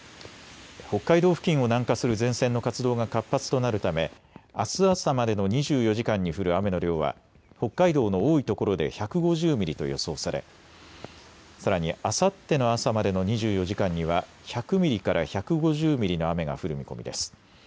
北海道付近を南下する前線の活動が活発となるため、あす朝までの２４時間に降る雨の量は北海道の多いところで１５０ミリと予想されさらにあさっての朝までの２４時間には１００ミリから１５０ミリの雨が降る見込みです。